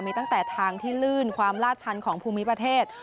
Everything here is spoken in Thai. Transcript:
มีตั้งแต่ทางที่ลื่นความลาดชันของภูมิประเทศ